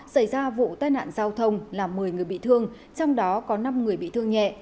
xảy ra vụ tai nạn giao thông làm một mươi người bị thương trong đó có năm người bị thương nhẹ